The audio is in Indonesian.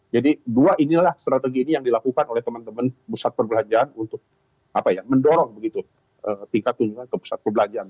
jadi dua inilah strategi ini yang dilakukan oleh teman teman pusat perbelanjaan untuk mendorong begitu tingkat tunjukan ke pusat perbelanjaan